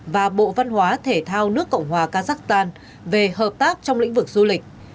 và bộ văn hóa thể thao nước cộng hòa kazakhstan về hợp tác trong lĩnh vực du lịch